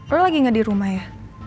lo lagi gak dirumah ya